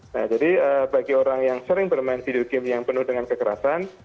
nah jadi bagi orang yang sering bermain video game yang penuh dengan kekerasan